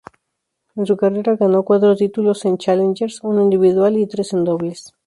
En su carrera ganó cuatro títulos en "challengers", uno individual y tres en dobles.